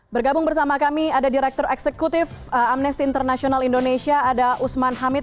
bergabung bersama kami ada direktur eksekutif amnesty international indonesia ada usman hamid